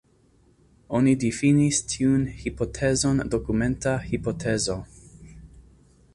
Oni difinis tiun hipotezon dokumenta hipotezo.